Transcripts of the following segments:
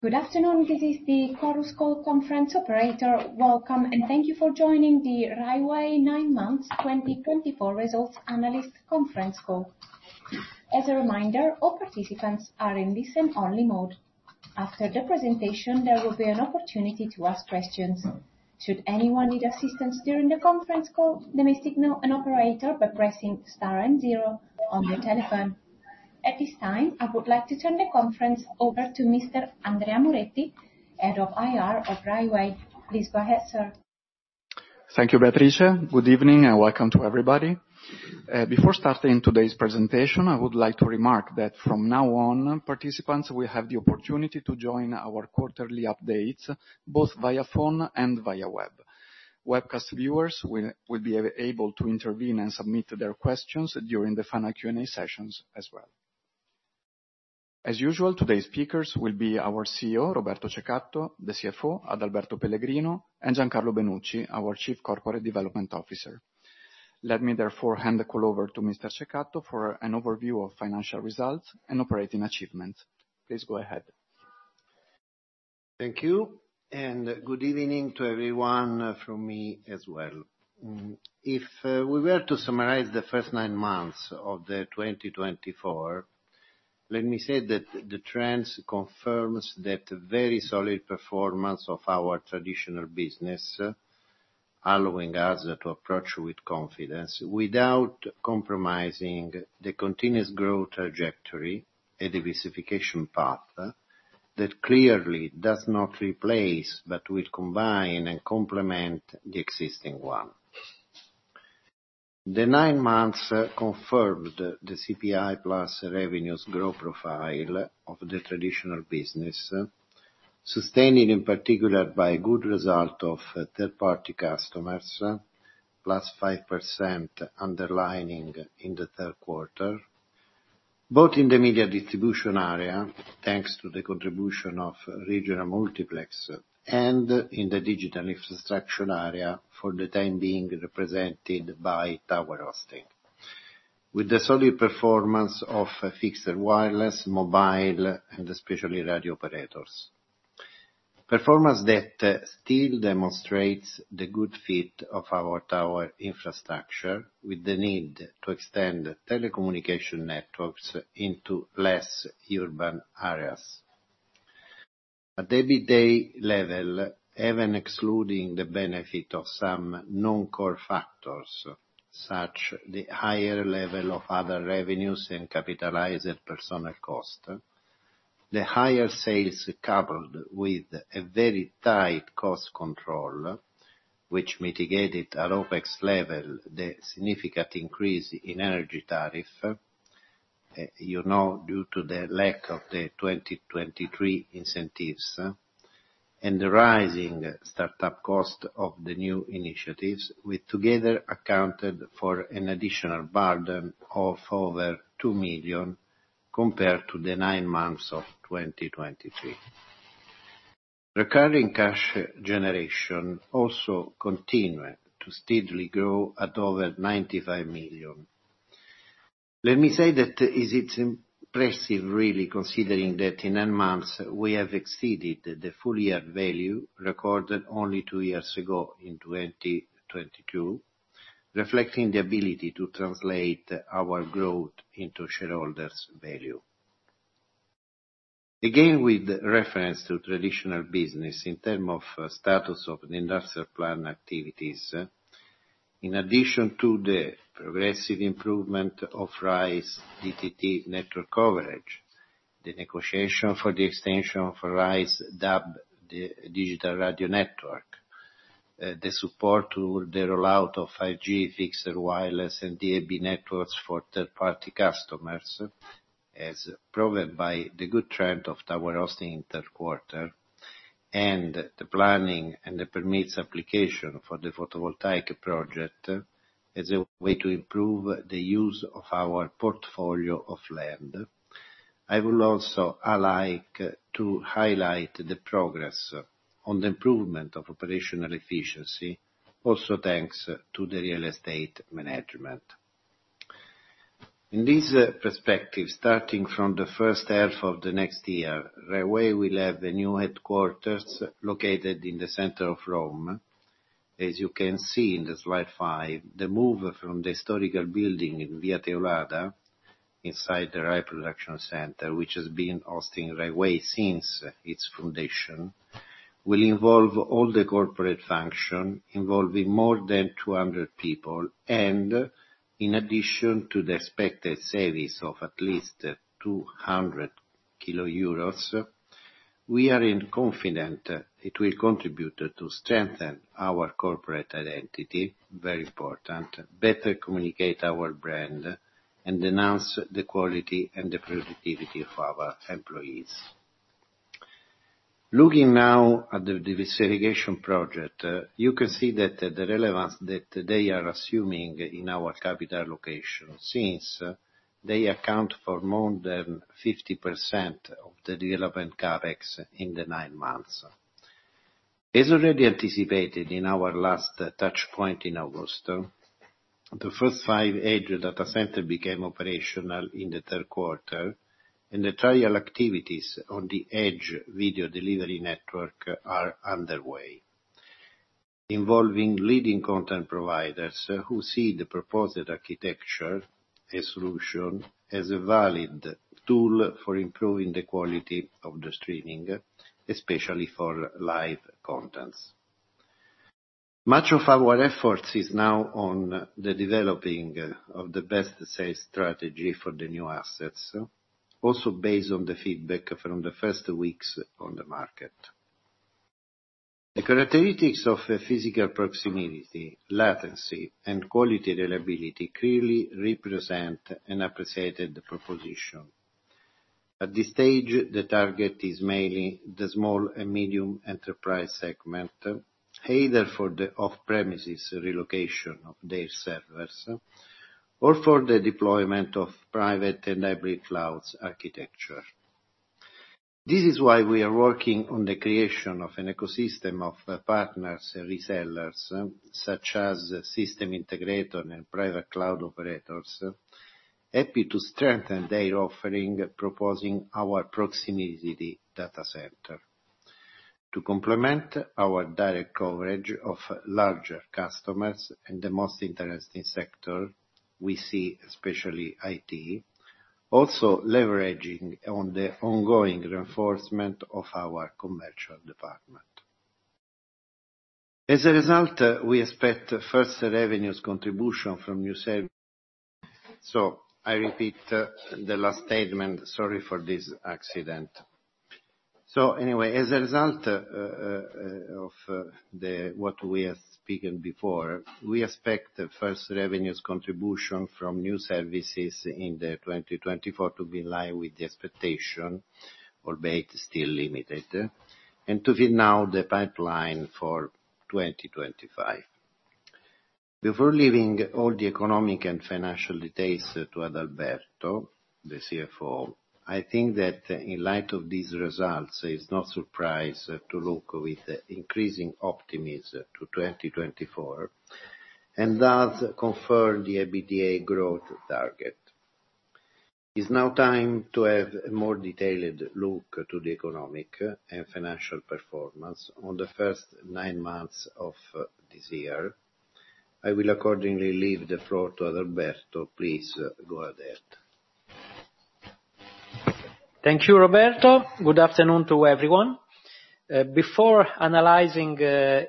Good afternoon, this is the Chorus Call Conference Operator. Welcome, and thank you for joining the Rai Way 9 Months 2024 Results Analyst Conference Call. As a reminder, all participants are in listen-only mode. After the presentation, there will be an opportunity to ask questions. Should anyone need assistance during the conference call, they may signal an operator by pressing star and zero on their telephone. At this time, I would like to turn the conference over to Mr. Andrea Moretti, Head of IR of Rai Way. Please go ahead, sir. Thank you, Patricia. Good evening and welcome to everybody. Before starting today's presentation, I would like to remark that from now on, participants will have the opportunity to join our quarterly updates both via phone and via web. Webcast viewers will be able to intervene and submit their questions during the final Q&A sessions as well. As usual, today's speakers will be our CEO, Roberto Cecatto, the CFO, Adalberto Pellegrino, and Giancarlo Benucci, our Chief Corporate Development Officer. Let me therefore hand the call over to Mr. Cecatto for an overview of financial results and operating achievements. Please go ahead. Thank you, and good evening to everyone from me as well. If we were to summarize the first nine months of 2024, let me say that the trends confirm that very solid performance of our traditional business, allowing us to approach with confidence without compromising the continuous growth trajectory and diversification path that clearly does not replace but will combine and complement the existing one. The nine months confirmed the CPI plus revenues growth profile of the traditional business, sustained in particular by good result of third-party customers, plus 5% underlining in the third quarter, both in the media distribution area, thanks to the contribution of regional multiplex, and in the digital infrastructure area for the time being represented by tower hosting, with the solid performance of fixed wireless, mobile, and especially radio operators. Performance that still demonstrates the good fit of our tower infrastructure with the need to extend telecommunication networks into less urban areas. At every day level, even excluding the benefit of some non-core factors such as the higher level of other revenues and capitalized personnel cost, the higher sales coupled with a very tight cost control, which mitigated at OpEx level the significant increase in energy tariff, you know, due to the lack of the 2023 incentives, and the rising startup cost of the new initiatives, together accounted for an additional burden of over two million compared to the nine months of 2023. Recurring cash generation also continued to steadily grow at over 95 million. Let me say that it is impressive, really, considering that in nine months we have exceeded the full year value recorded only two years ago in 2022, reflecting the ability to translate our growth into shareholders' value. Again, with reference to traditional business in terms of status of the industrial plan activities, in addition to the progressive improvement of Rai's DTT network coverage, the negotiation for the extension of Rai's DAB, the digital radio network, the support to the rollout of 5G fixed wireless and DAB networks for third-party customers, as proven by the good trend of tower hosting in the third quarter, and the planning and the permits application for the photovoltaic project as a way to improve the use of our portfolio of land, I would also like to highlight the progress on the improvement of operational efficiency, also thanks to the real estate management. In this perspective, starting from the first half of the next year, Rai Way will have the new headquarters located in the center of Rome. As you can see in the slide five, the move from the historical building in Via Teulada, inside the Rai production center, which has been hosting Rai Way since its foundation, will involve all the corporate functions involving more than 200 people, and in addition to the expected savings of at least 200,000 euros, we are confident it will contribute to strengthen our corporate identity, very important, better communicate our brand, and enhance the quality and the productivity of our employees. Looking now at the diversification project, you can see that the relevance that they are assuming in our capital allocation since they account for more than 50% of the development CapEx in the nine months. As already anticipated in our last touchpoint in August, the first five edge data centers became operational in the third quarter, and the trial activities on the edge video delivery network are underway, involving leading content providers who see the proposed architecture and solution as a valid tool for improving the quality of the streaming, especially for live contents. Much of our efforts is now on the developing of the best sales strategy for the new assets, also based on the feedback from the first weeks on the market. The characteristics of physical proximity, latency, and quality reliability clearly represent an appreciated proposition. At this stage, the target is mainly the small and medium enterprise segment, either for the off-premises relocation of their servers or for the deployment of private and hybrid clouds architecture. This is why we are working on the creation of an ecosystem of partners and resellers, such as system integrators and private cloud operators, happy to strengthen their offering, proposing our proximity data center. To complement our direct coverage of larger customers in the most interesting sector, we see especially IT, also leveraging on the ongoing reinforcement of our commercial department. As a result, we expect first revenues contribution from new services. So I repeat the last statement. Sorry for this accident. So anyway, as a result of what we have spoken before, we expect the first revenues contribution from new services in 2024 to be in line with the expectation, albeit still limited, and to fill now the pipeline for 2025. Before leaving all the economic and financial details to Adalberto, the CFO, I think that in light of these results, it's no surprise to look with increasing optimism to 2024, and thus confirm the EBITDA growth target. It's now time to have a more detailed look at the economic and financial performance of the first nine months of this year. I will accordingly leave the floor to Adalberto. Please go ahead. Thank you, Roberto. Good afternoon to everyone. Before analyzing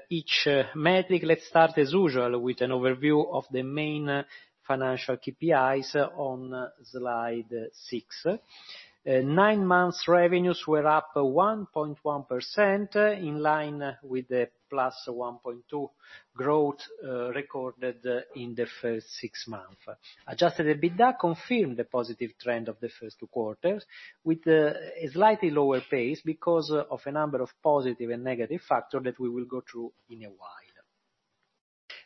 each metric, let's start as usual with an overview of the main financial KPIs on slide six. Nine months revenues were up 1.1% in line with the plus 1.2% growth recorded in the first six months. Adjusted EBITDA confirmed the positive trend of the first two quarters with a slightly lower pace because of a number of positive and negative factors that we will go through in a while.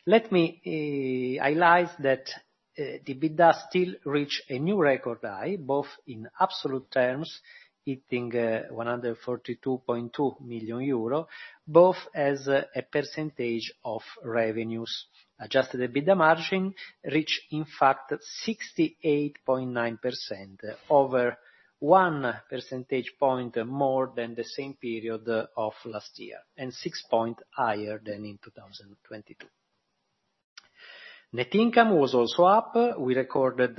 Let me highlight that EBITDA still reached a new record high, both in absolute terms, hitting 142.2 million euro, both as a percentage of revenues. Adjusted EBITDA margin reached, in fact, 68.9%, over one percentage point more than the same period of last year, and six points higher than in 2022. Net income was also up. We recorded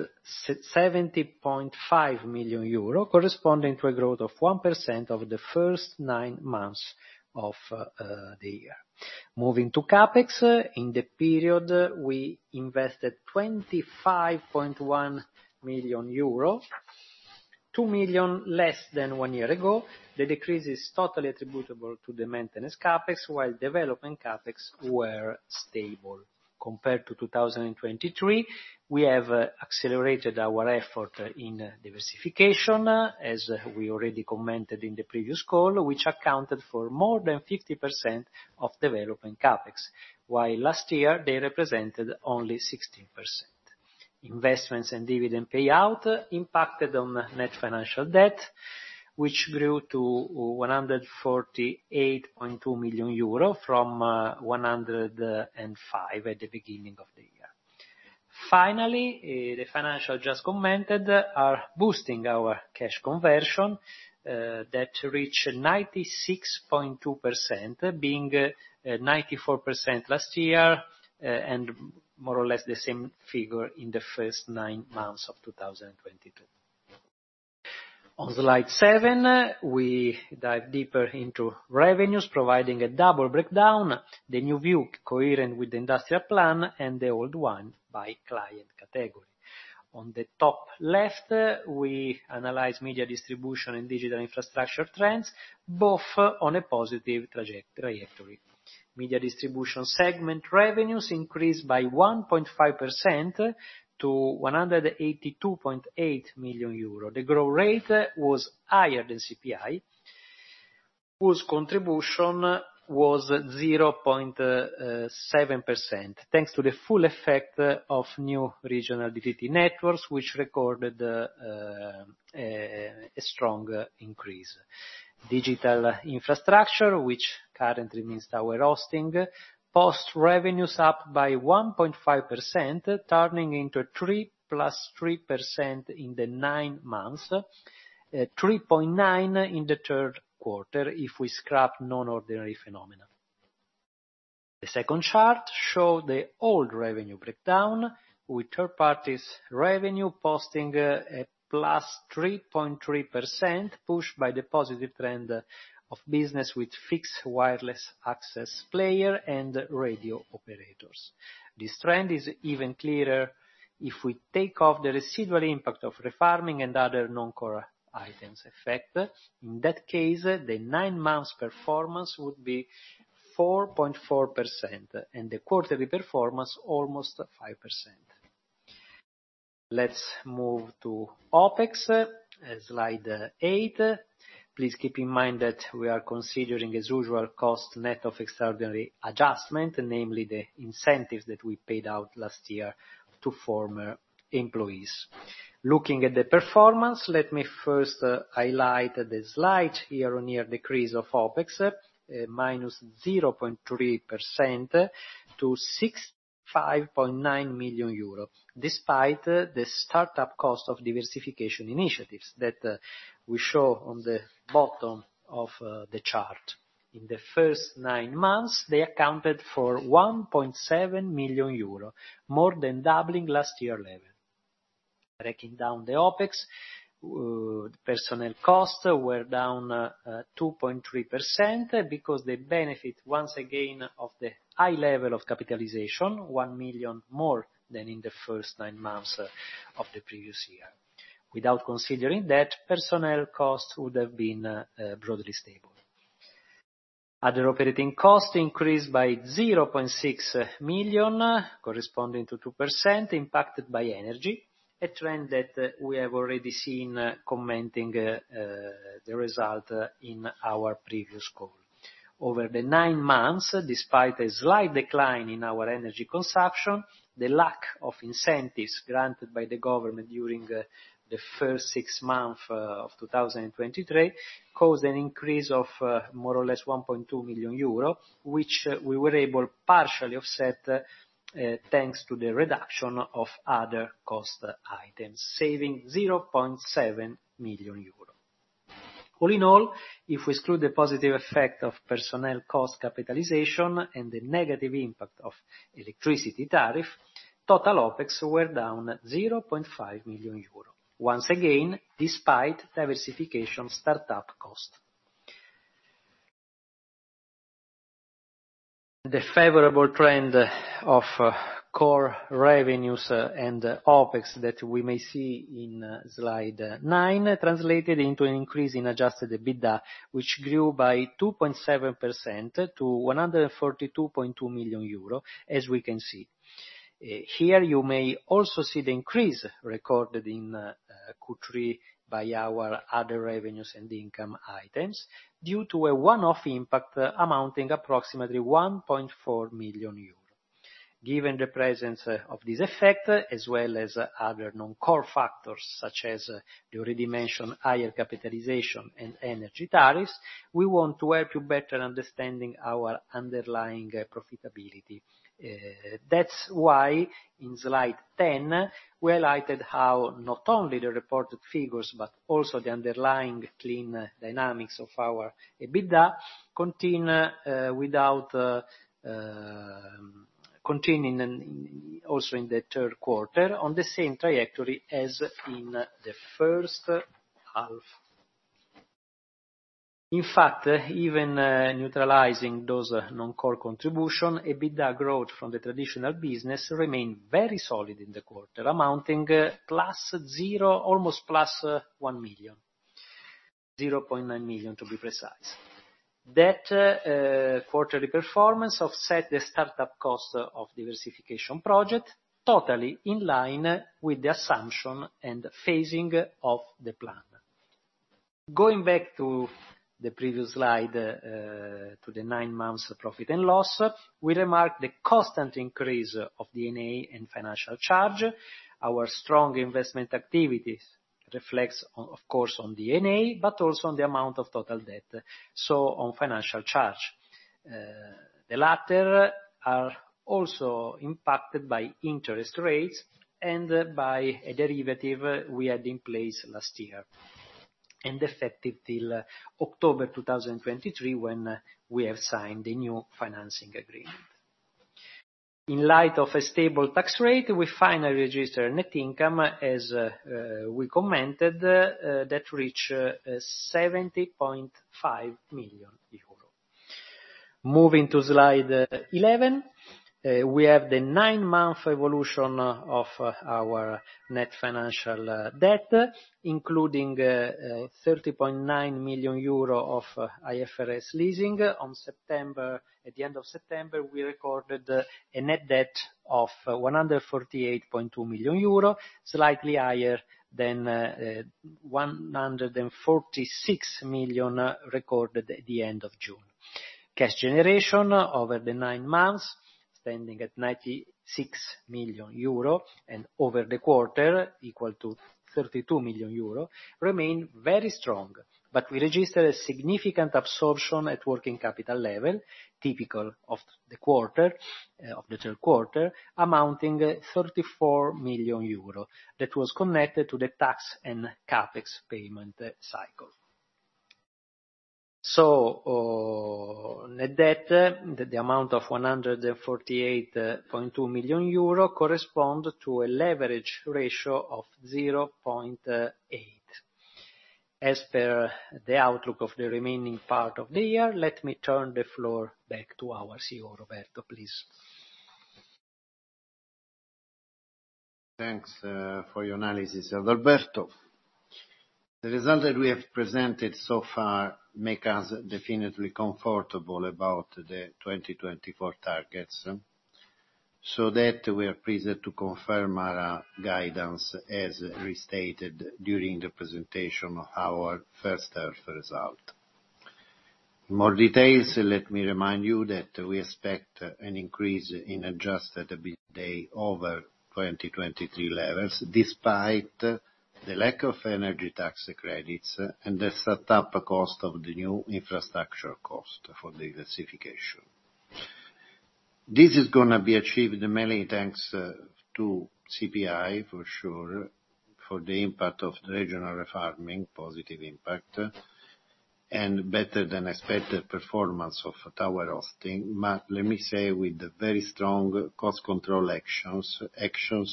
70.5 million euro, corresponding to a growth of 1% over the first nine months of the year. Moving to CapEx, in the period, we invested 25.1 million euro, 2 million less than one year ago. The decrease is totally attributable to the maintenance CapEx, while development CapEx were stable. Compared to 2023, we have accelerated our effort in diversification, as we already commented in the previous call, which accounted for more than 50% of development CapEx, while last year they represented only 16%. Investments and dividend payout impacted on net financial debt, which grew to 148.2 million euro from 105 million at the beginning of the year. Finally, the financials just commented are boosting our cash conversion that reached 96.2%, being 94% last year and more or less the same figure in the first nine months of 2022. On slide seven, we dive deeper into revenues, providing a double breakdown, the new view coherent with the industrial plan and the old one by client category. On the top left, we analyze media distribution and digital infrastructure trends, both on a positive trajectory. Media distribution segment revenues increased by 1.5% to 182.8 million euro. The growth rate was higher than CPI. Positive contribution was 0.7%, thanks to the full effect of new regional DTT networks, which recorded a strong increase. Digital infrastructure, which currently means tower hosting, posted revenues up by 1.5%, turning into a 3+3% in the nine months, 3.9% in the third quarter if we scrap non-ordinary phenomena. The second chart shows the old revenue breakdown, with third-party revenue posting a +3.3% pushed by the positive trend of business with fixed wireless access player and radio operators. This trend is even clearer if we take off the residual impact of refarming and other non-core items' effect. In that case, the nine months performance would be 4.4% and the quarterly performance almost 5%. Let's move to OpEx, slide eight. Please keep in mind that we are considering, as usual, cost net of extraordinary adjustment, namely the incentives that we paid out last year to former employees. Looking at the performance, let me first highlight the slight year-on-year decrease of OpEx, minus 0.3% to 65.9 million euro, despite the startup cost of diversification initiatives that we show on the bottom of the chart. In the first nine months, they accounted for 1.7 million euro, more than doubling last year's level. Breaking down the OpEx, personnel costs were down 2.3% because they benefit once again of the high level of capitalization, 1 million more than in the first nine months of the previous year. Without considering that, personnel costs would have been broadly stable. Other operating costs increased by 0.6 million, corresponding to 2%, impacted by energy, a trend that we have already seen commenting the result in our previous call. Over the nine months, despite a slight decline in our energy consumption, the lack of incentives granted by the government during the first six months of 2023 caused an increase of more or less 1.2 million euro, which we were able to partially offset thanks to the reduction of other cost items, saving 0.7 million euro. All in all, if we exclude the positive effect of personnel cost capitalization and the negative impact of electricity tariff, total OpEx were down 0.5 million euro, once again, despite diversification startup cost. The favorable trend of core revenues and OpEx that we may see in slide nine translated into an increase in Adjusted EBITDA, which grew by 2.7% to 142.2 million euro, as we can see. Here, you may also see the increase recorded in Q3 by our other revenues and income items due to a one-off impact amounting to approximately 1.4 million euro. Given the presence of this effect, as well as other non-core factors such as the already mentioned higher capitalization and energy tariffs, we want to help you better understand our underlying profitability. That's why in slide 10, we highlighted how not only the reported figures, but also the underlying clean dynamics of our EBITDA continue also in the third quarter on the same trajectory as in the first half. In fact, even neutralizing those non-core contributions, EBITDA growth from the traditional business remained very solid in the quarter, amounting to plus zero, almost plus one million, 0.9 million to be precise. That quarterly performance offset the startup cost of diversification project, totally in line with the assumption and phasing of the plan. Going back to the previous slide, to the nine months profit and loss, we remarked the constant increase of D&A and financial charge. Our strong investment activities reflects, of course, on D&A, but also on the amount of total debt, so on financial charge. The latter are also impacted by interest rates and by a derivative we had in place last year and effective till October 2023 when we have signed the new financing agreement. In light of a stable tax rate, we finally registered net income, as we commented, that reached 70.5 million euro. Moving to slide 11, we have the nine-month evolution of our net financial debt, including 30.9 million euro of IFRS leasing. At the end of September, we recorded a net debt of 148.2 million euro, slightly higher than 146 million recorded at the end of June. Cash generation over the nine months, standing at 96 million euro and over the quarter, equal to 32 million euro, remained very strong, but we registered a significant absorption at working capital level, typical of the quarter, of the third quarter, amounting to 34 million euro. That was connected to the tax and CapEx payment cycle. So net debt, the amount of 148.2 million euro, corresponds to a leverage ratio of 0.8. As per the outlook of the remaining part of the year, let me turn the floor back to our CEO, Roberto, please. Thanks for your analysis, Adalberto. The result that we have presented so far makes us definitely comfortable about the 2024 targets, so that we are pleased to confirm our guidance, as restated during the presentation of our first-half result. In more detail, let me remind you that we expect an increase in Adjusted EBITDA over 2023 levels, despite the lack of energy tax credits and the setup cost of the new infrastructure for the diversification. This is going to be achieved mainly thanks to CPI, for sure, for the impact of the regional refarming, positive impact, and better than expected performance of tower hosting, but let me say with very strong cost control actions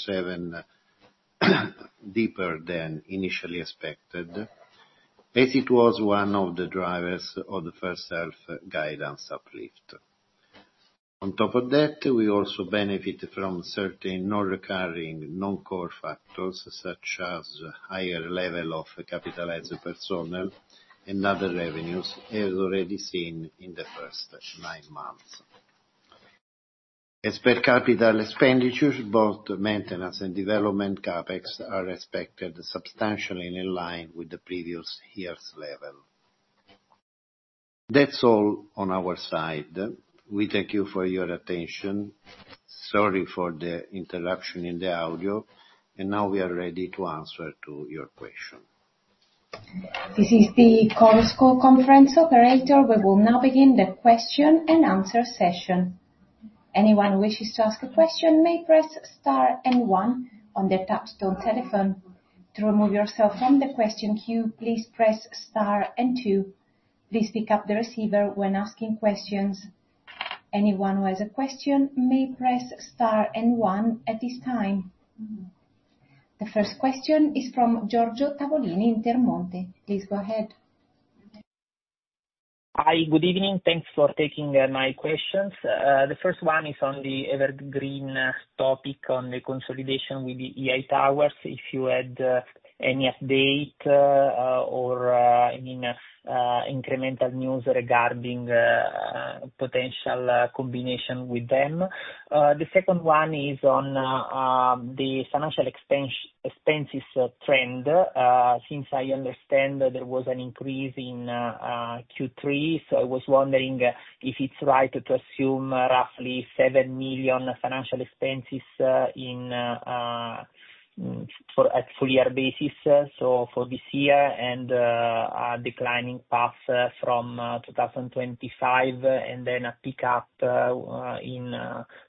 even deeper than initially expected, as it was one of the drivers of the first-half guidance uplift. On top of that, we also benefit from certain non-recurring non-core factors such as higher level of capitalized personnel and other revenues as already seen in the first nine months. As per capital expenditures, both maintenance and development CapEx are expected substantially in line with the previous year's level. That's all on our side. We thank you for your attention. Sorry for the interruption in the audio, and now we are ready to answer your question. This is the Chorus Call conference operator. We will now begin the question-and-answer session. Anyone who wishes to ask a question may press star and one on their touch-tone telephone. To remove yourself from the question queue, please press star and two. Please pick up the receiver when asking questions. Anyone who has a question may press star and one at this time. The first question is from Giorgio Tavolini in Intermonte. Please go ahead. Hi, good evening. Thanks for taking my questions. The first one is on the Evergreen topic on the consolidation with the EI Towers. If you had any update or any incremental news regarding potential combination with them. The second one is on the financial expenses trend. Since I understand there was an increase in Q3, so I was wondering if it's right to assume roughly 7 million financial expenses at full-year basis, so for this year and a declining path from 2025 and then a pickup in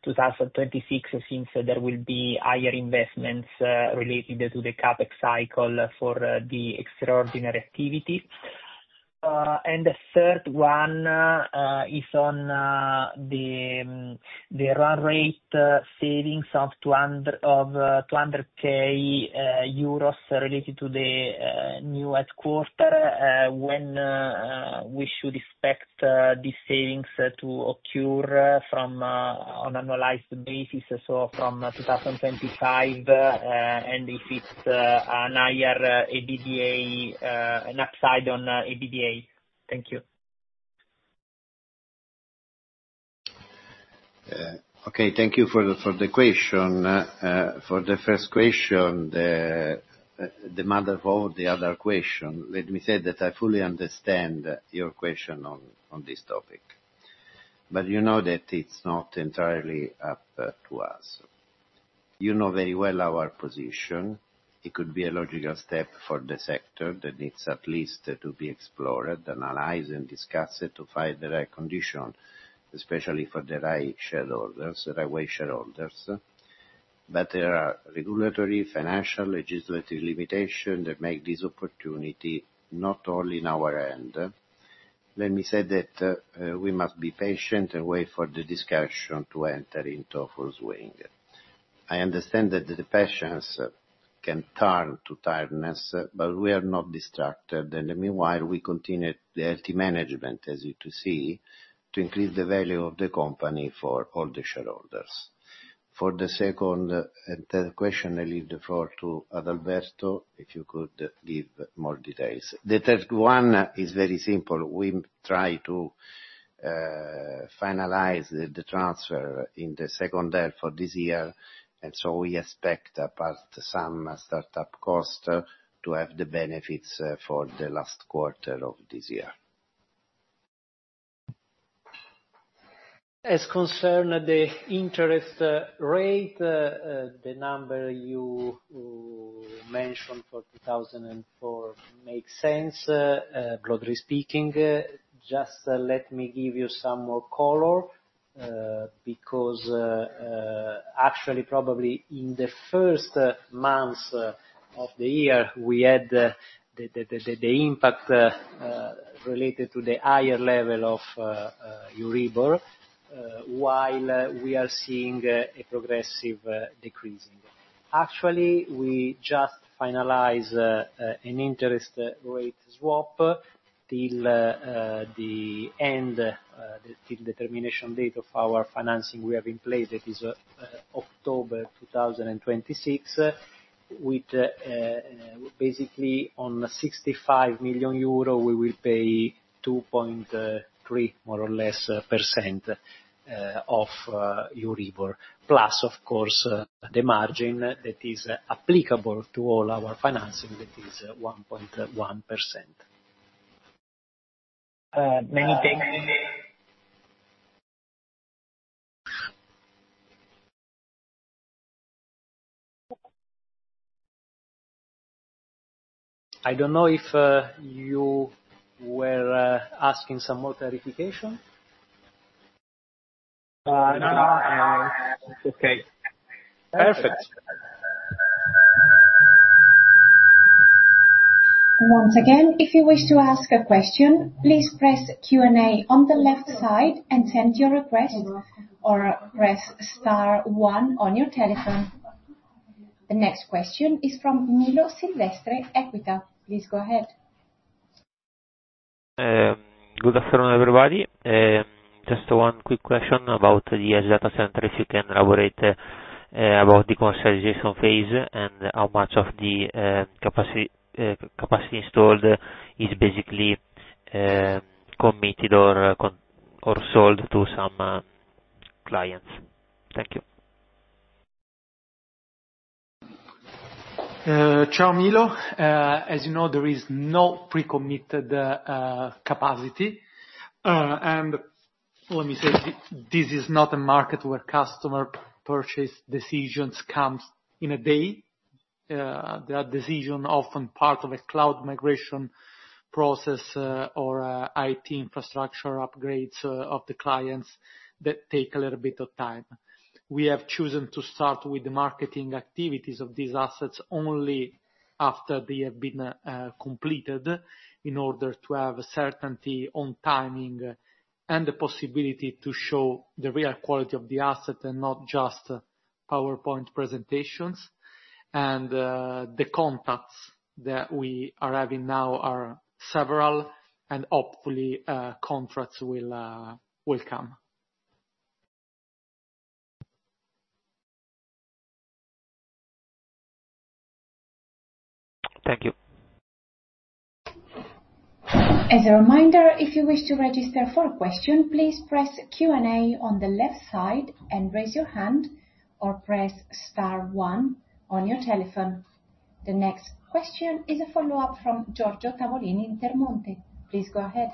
2026 since there will be higher investments related to the CapEx cycle for the extraordinary activity. And the third one is on the run rate savings of 200,000 related to the new headquarters. When we should expect these savings to occur on an annualized basis, so from 2025, and if it's an upside on EBITDA. Thank you. Okay, thank you for the question. For the first question, the mother of all the other questions, let me say that I fully understand your question on this topic, but you know that it's not entirely up to us. You know very well our position. It could be a logical step for the sector that needs at least to be explored, analyzed, and discussed to find the right condition, especially for the right shareholders, the Rai Way shareholders. But there are regulatory, financial, legislative limitations that make this opportunity not all in our hands. Let me say that we must be patient and wait for the discussion to enter into a full swing. I understand that the patience can turn to tiredness, but we are not distracted, and meanwhile, we continue the healthy management, as you see, to increase the value of the company for all the shareholders. For the second question, I leave the floor to Adalberto if you could give more details. The third one is very simple. We try to finalize the transfer in the second half of this year, and so we expect, apart from some startup cost, to have the benefits for the last quarter of this year. As concerning the interest rate, the number you mentioned for 2024 makes sense, broadly speaking. Just let me give you some more color because actually, probably in the first months of the year, we had the impact related to the higher level of Euribor, while we are seeing a progressive decrease. Actually, we just finalized an interest rate swap till the end, till the termination date of our financing we have in place, that is October 2026, with basically 65 million euro, we will pay 2.3%, more or less, of Euribor, plus, of course, the margin that is applicable to all our financing, that is 1.1%. Many thanks. I don't know if you were asking some more clarification. No, no. It's okay. Perfect. Once again, if you wish to ask a question, please press Q&A on the left side and send your request, or press star one on your telephone. The next question is from Milo Silvestre, Equita. Please go ahead. Good afternoon, everybody. Just one quick question about the edge data center, if you can elaborate about the commercialization phase and how much of the capacity installed is basically committed or sold to some clients? Thank you. Ciao, Milo. As you know, there is no pre-committed capacity. And let me say, this is not a market where customer purchase decisions come in a day. The decision is often part of a cloud migration process or IT infrastructure upgrades of the clients that take a little bit of time. We have chosen to start with the marketing activities of these assets only after they have been completed in order to have certainty on timing and the possibility to show the real quality of the asset and not just PowerPoint presentations. And the contacts that we are having now are several, and hopefully, contracts will come. Thank you. As a reminder, if you wish to register for a question, please press Q&A on the left side and raise your hand, or press star one on your telephone. The next question is a follow-up from Giorgio Tavolini in Intermonte. Please go ahead.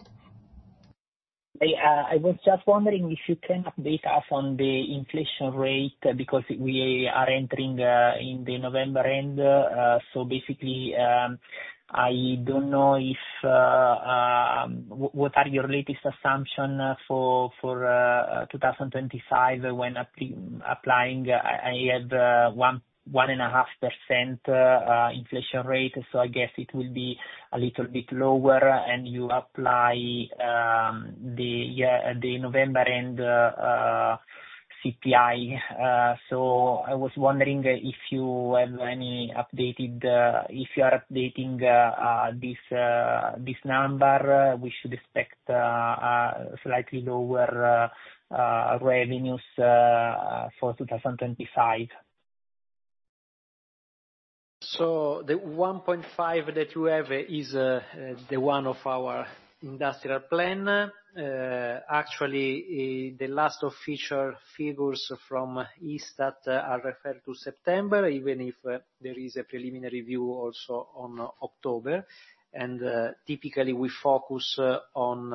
I was just wondering if you can update us on the inflation rate because we are entering in the November end, so basically, I don't know what your latest assumption is for 2025. When applying, I have a 1.5% inflation rate, so I guess it will be a little bit lower and you apply the November end CPI, so I was wondering if you have any updated if you are updating this number; we should expect slightly lower revenues for 2025. The 1.5 that you have is the one of our industrial plan. Actually, the last official figures from Istat are referred to September, even if there is a preliminary view also on October. And typically, we focus on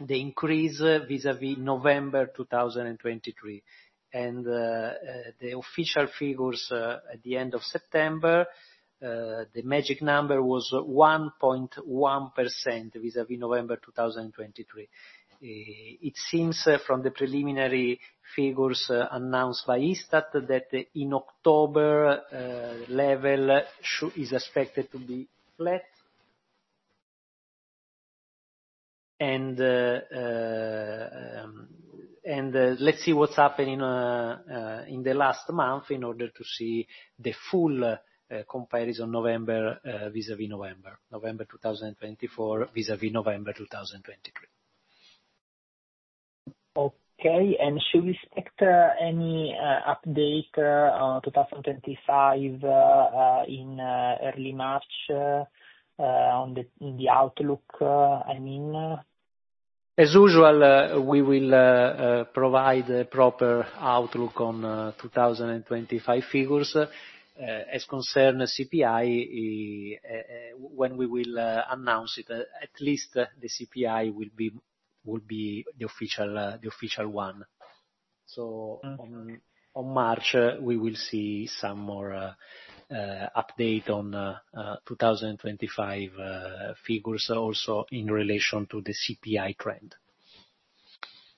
the increase vis-à-vis November 2023. And the official figures at the end of September, the magic number was 1.1% vis-à-vis November 2023. It seems from the preliminary figures announced by ISTAT that the October level is expected to be flat. And let's see what's happening in the last month in order to see the full comparison November vis-à-vis November, November 2024 vis-à-vis November 2023. Okay. And should we expect any update on 2025 in early March on the outlook, I mean? As usual, we will provide a proper outlook on 2025 figures. As concerns CPI, when we will announce it, at least the CPI will be the official one. So on March, we will see some more updates on 2025 figures also in relation to the CPI trend.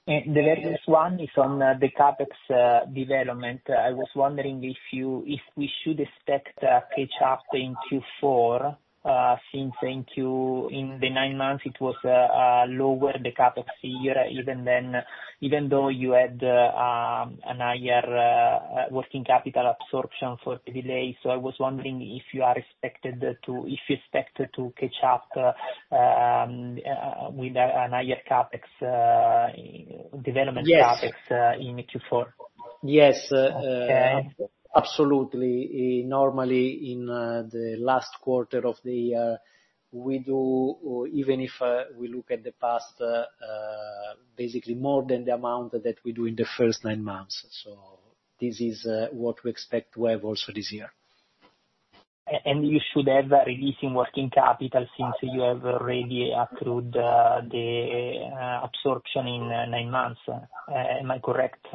The latest one is on the CapEx development. I was wondering if we should expect a catch-up in Q4 since in the nine months, it was lower the CapEx year, even though you had a higher working capital absorption for EBITDA. So I was wondering if you expect to catch up with a higher CapEx, development CapEx in Q4. Yes, absolutely. Normally, in the last quarter of the year, we do, even if we look at the past, basically more than the amount that we do in the first nine months. So this is what we expect to have also this year. You should have releasing working capital since you have already accrued the absorption in nine months. Am I correct?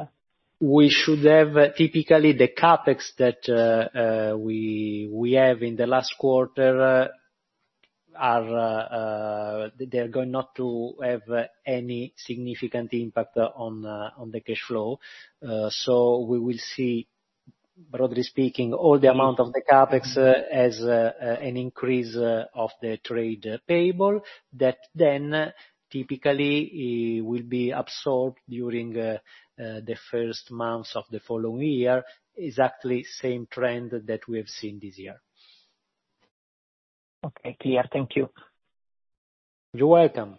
We should have typically the CapEx that we have in the last quarter, they're going not to have any significant impact on the cash flow. So we will see, broadly speaking, all the amount of the CapEx as an increase of the trade payable that then typically will be absorbed during the first months of the following year, exactly same trend that we have seen this year. Okay, clear. Thank you. You're welcome.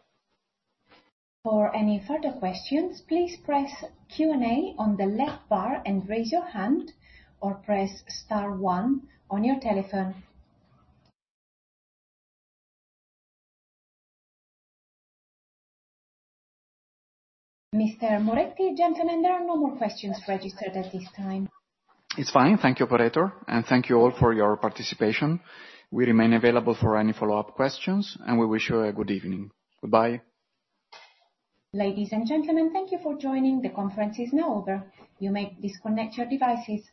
For any further questions, please press Q&A on the left bar and raise your hand, or press star one on your telephone. Mr. Moretti, gentlemen, there are no more questions registered at this time. It's fine. Thank you, operator. And thank you all for your participation. We remain available for any follow-up questions, and we wish you a good evening. Goodbye. Ladies and gentlemen, thank you for joining. The conference is now over. You may disconnect your devices.